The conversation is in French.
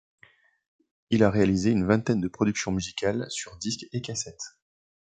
Il a réalisé une vingtaine de productions musicales sur disques et cassettes.